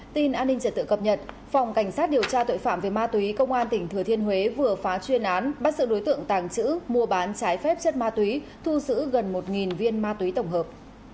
tin an ninh trật tự cập nhật phòng cảnh sát điều tra tội phạm về ma túy công an tỉnh thừa thiên huế vừa phá chuyên án bắt sự đối tượng tàng trữ mua bán trái phép chất ma túy thu giữ gần một viên ma túy tổng hợp